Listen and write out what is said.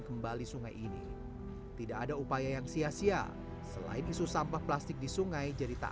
kembali sungai ini tidak ada upaya yang sia sia selain isu sampah plastik di sungai jadi tak